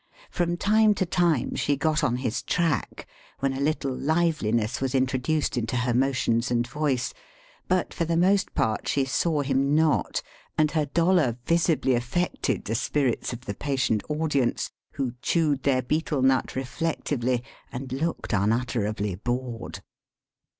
From time to time she got on his track, when a little hveliness was introduced into her motions and voice.; but for the most part she saw him not, and her dolor visibly affected the spirits of the patient audience, who chewed their betel nut reflectively and looked unutterably bored.